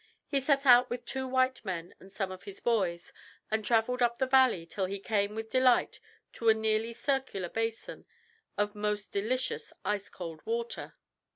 He set out with two white men and some of his boys, and travelled up the valley till he came with delight to a nearly circular basin of most delicious ice cold water.